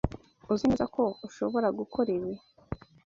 Uzi neza ko ushobora gukora ibi?